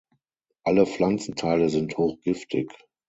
Alle Pflanzenteile sind hochgiftig.